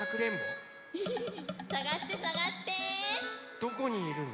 どこにいるの？